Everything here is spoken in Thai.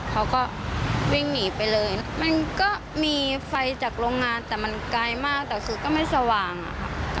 เขาก็วิ่งหนีไปเลยมันก็มีไฟจากโรงงานแต่มันไกลมากแต่คือก็ไม่สว่างอะค่ะ